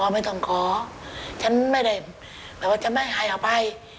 ไม่ต้องขอฉันไม่ได้หมายถึงว่าชั้นไม่ให้อภัย